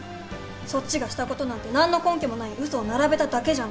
そっちがしたことなんて何の根拠もない嘘を並べただけじゃない。